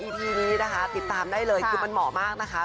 พีนี้นะคะติดตามได้เลยคือมันเหมาะมากนะคะ